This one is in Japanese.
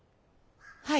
はい。